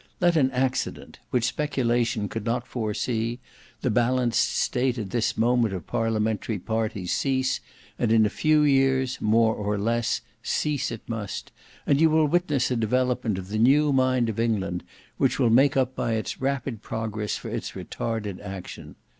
Let an accident, which speculation could not foresee, the balanced state at this moment of parliamentary parties cease, and in a few years, more or less, cease it must, and you will witness a development of the new mind of England, which will make up by its rapid progress for its retarded action.